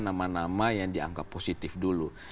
nama nama yang dianggap positif dulu